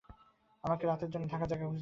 আমাকে রাতের জন্য থাকার জায়গা খুঁজতে হবে।